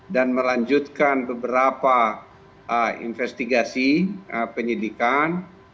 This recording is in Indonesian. dan melanjutkan beberapa investigasi penyidikan